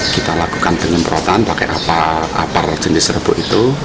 kita lakukan penyemprotan pakai apar jenis rebuk itu